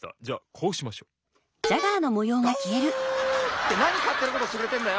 ってなにかってなことしてくれてんだよ！